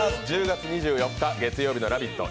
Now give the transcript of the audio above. １０月２４日月曜日の「ラヴィット！」